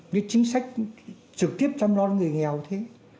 những chính sách trực tiếp chăm lo người nghèo như thế